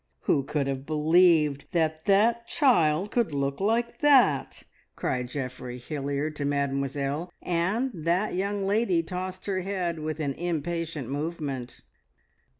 "Who could have believed that that child could look like that?" cried Geoffrey Hilliard to Mademoiselle, and that young lady tossed her head with an impatient movement.